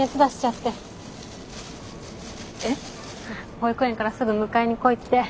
保育園からすぐ迎えに来いって。